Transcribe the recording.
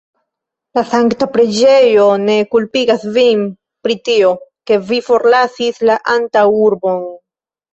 La sankta preĝejo ne kulpigas vin pri tio, ke vi forlasis la antaŭurbon.